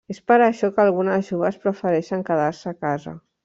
És per això que algunes joves prefereixen quedar-se a casa.